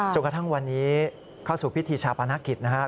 จนกระทั่งวันนี้เข้าสู่พิธีชาปนกิจนะครับ